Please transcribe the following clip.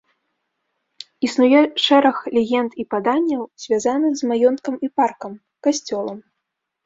Існуе шэраг легенд і паданняў, звязаных з маёнткам і паркам, касцёлам.